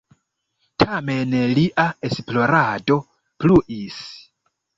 Tamen lia esplorado pluis.